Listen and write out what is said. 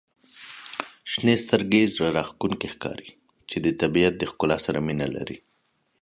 • شنې سترګي زړه راښکونکي ښکاري چې د طبیعت د ښکلا سره مینه لري.